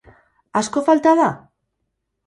Asko falta da?